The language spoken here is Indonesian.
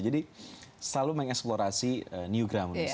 jadi selalu mengeksplorasi new ground